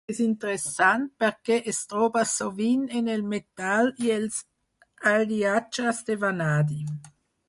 És interessant perquè es troba sovint en el metall i els aliatges de vanadi.